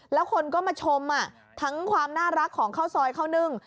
แล้วคนก็มาชมทั้งความน่ารักของข้าวซอยข้าวนึ่ง